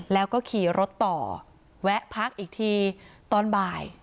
แล้วก็ขี่รถต่อแวะพักอีกทีตอนบ่าย